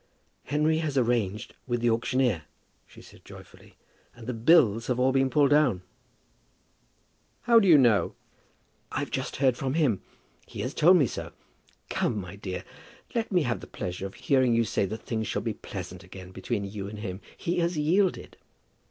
"Henry has arranged with the auctioneer," she said joyfully; "and the bills have been all pulled down." "How do you know?" "I've just heard from him. He has told me so. Come, my dear, let me have the pleasure of hearing you say that things shall be pleasant again between you and him. He has yielded."